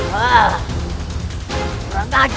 jadi kalau kakak berjaga jaga